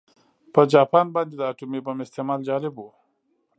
په جاپان باندې د اتومي بم استعمال جالب و